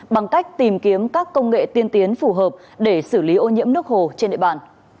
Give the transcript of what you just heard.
bằng cách tìm kiếm các công nghệ tiên tiến phù hợp để xử lý ô nhiễm nước hồ trên địa bàn